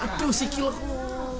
aduh si kilatmu